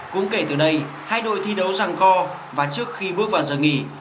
cũng kể từ đây hai đội thi đấu ràng co và trước khi bước vào giờ nghỉ